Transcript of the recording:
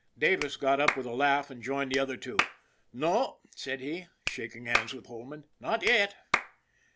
Davis got up with a laugh and joined the other two, " No," said he, shaking hands with Holman, " not yet."